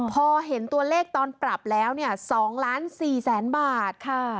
พอเห็นตัวเลขตอนปรับแล้ว๒ล้าน๔แสนบาทค่ะ